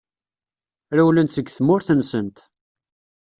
Rewlent seg tmurt-nsent.